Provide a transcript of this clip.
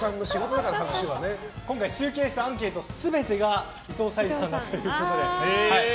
今回、集計したアンケート全てが伊藤沙莉さんだったということで。